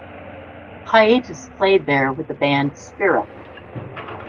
Hiatus played there with the band Speereth.